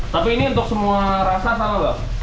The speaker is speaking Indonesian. tapi ini untuk semua rasa sama bang